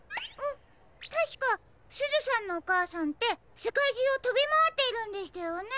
たしかすずさんのおかあさんってせかいじゅうをとびまわっているんでしたよね？